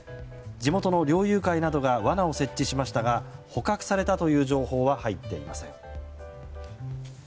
地元の猟友会などが罠を設置しましたが捕獲されたという情報は入っていません。